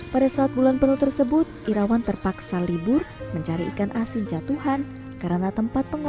pada saat bulan penuh tersebut irawan terpaksa libur mencari ikan asin jatuhan